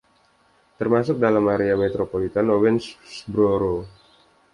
Termasuk dalam area metropolitan Owensboro.